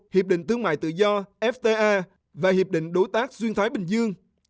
hiệp định thương mại tự do fta và hiệp định đối tác xuyên thái bình dương